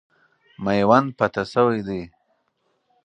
میوند فتح سوی دی.